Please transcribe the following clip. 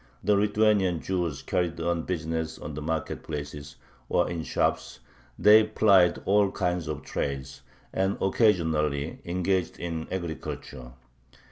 The Lithuanian Jews carried on business on the market places or in shops, they plied all kinds of trades, and occasionally engaged in agriculture.